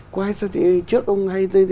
quay sao thì trước ông hay